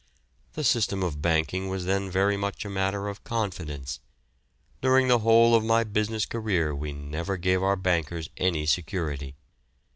The system of banking was then very much a matter of confidence. During the whole of my business career we never gave our bankers any security.